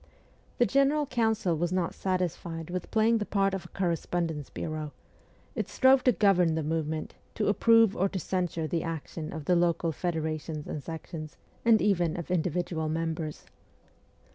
The general council was not satisfied with playing the part of a correspondence bureau ; it strove to govern the movement, to approve or to censure the action of the local federations and sections, and even of individual members.